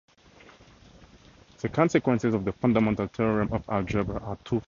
The consequences of the fundamental theorem of algebra are twofold.